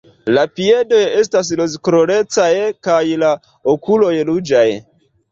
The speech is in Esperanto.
La piedoj estas rozkolorecaj kaj la okuloj ruĝaj.